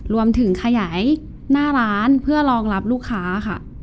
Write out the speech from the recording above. รวมถึงขยายหน้าร้านเพื่อรองรับลูกค้าค่ะ